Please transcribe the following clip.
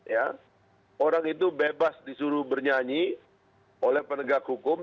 ya orang itu bebas disuruh bernyanyi oleh penegak hukum